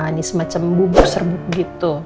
ini semacam bubur serbuk gitu